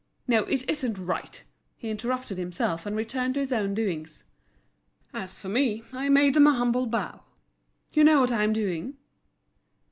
No, it isn't right!" He interrupted himself, and returned to his own doings. "As for me, I made them a humble bow. You know what I'm doing?"